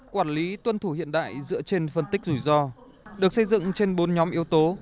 quản lý tuân thủ hiện đại dựa trên phân tích rủi ro được xây dựng trên bốn nhóm yếu tố